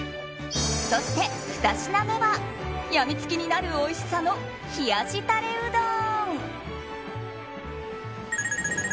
そして２品目は病みつきになるおいしさの冷やしたれうどん。